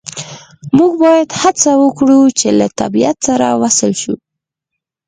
موږ باید هڅه وکړو چې له طبیعت سره وصل شو